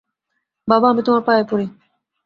বাবা, আমি তোমার পায়ে পড়ি।